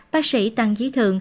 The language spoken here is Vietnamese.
bác sĩ tăng dí thư